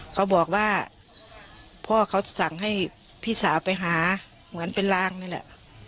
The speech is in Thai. เขาบอกว่าพ่อเขาสั่งให้พี่สาวไปหาเหมือนเป็นลางนี่แหละ